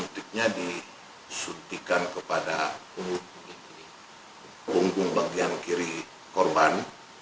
untuk menyuntiknya disuntikan kepada punggung bagian kiri korban